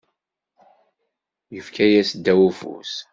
Yefka -yas ddaw ufus.